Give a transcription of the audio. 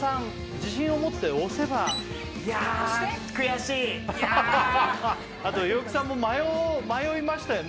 自信を持って押せばいやあ日置さんも迷いましたよね